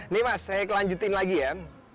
nih mas saya kelanjutin lagi ya